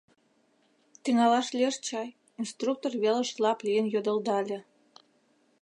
Тӱҥалаш лиеш чай? — инструктор велыш лап лийын йодылдале.